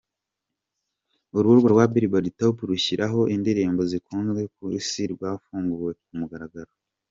Urubuga rwa Billboard Top , rushyira ho indirimbo zikunzwe ku isi rwafunguwe ku mugaragaro.